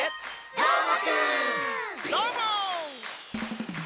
どーも！